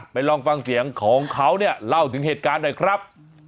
ลองฟังเสียงของเขาเนี่ยเล่าถึงเหตุการณ์หน่อยครับ